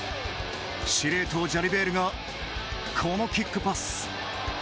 司令塔ジャリベールがこのキックパス。